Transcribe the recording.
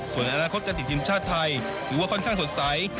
ส่วนอนาคตการติดทีมชาติไทยถือว่าค่อนข้างสดใส